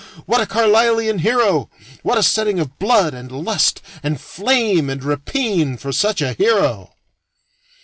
What a Carlislean hero! What a setting of blood and lust and flame and rapine for such a hero!